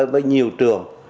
với nhiều trường